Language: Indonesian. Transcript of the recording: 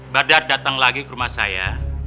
badar datang lagi ke rumah saya